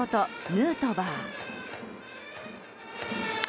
ヌートバー